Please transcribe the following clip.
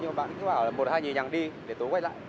nhưng mà bạn cứ bảo là một hai nhì nhằng đi để tối quay lại